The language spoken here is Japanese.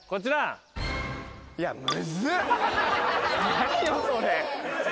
何よそれ。